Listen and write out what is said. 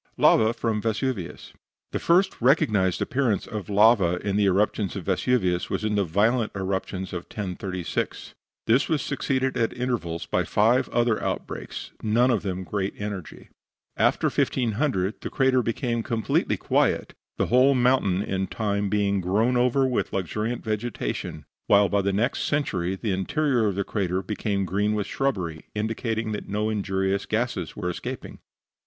LAVA FROM VESUVIUS The first recognised appearance of lava in the eruptions of Vesuvius was in the violent eruption of 1036. This was succeeded at intervals by five other outbreaks, none of them of great energy. After 1500 the crater became completely quiet, the whole mountain in time being grown over with luxuriant vegetation, while by the next century the interior of the crater became green with shrubbery, indicating that no injurious gases were escaping.